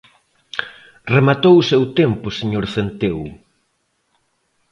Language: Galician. Rematou o seu tempo, señor Centeo.